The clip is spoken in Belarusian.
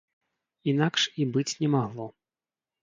Інакш і быць не магло.